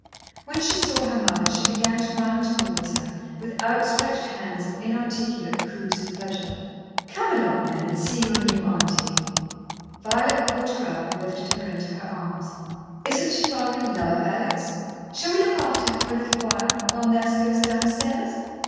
When she saw her mother she began to run towards her, with outstretched hands and inarticulate coos of pleasure. "Come along, then, and see your new Auntie." Violet caught her up and lifted her into her arms. "Isn't she rather a love, Alex? Shall we look after her for a little while, while Nurse goes downstairs?"